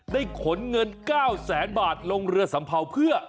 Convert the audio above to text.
ขนเงิน๙แสนบาทลงเรือสัมเภาเพื่อ